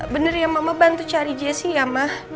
bener ya mama bantu cari jessy ya ma